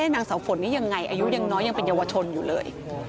นางสาวฝนนี่ยังไงอายุยังน้อยยังเป็นเยาวชนอยู่เลย